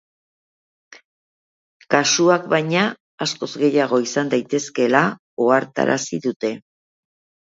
Kasuak, baina, askoz gehiago izan daitezkeela ohartarazi dute.